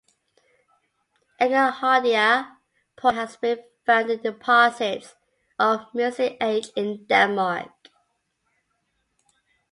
"Engelhardia" pollen has been found in deposits of Miocene Age in Denmark.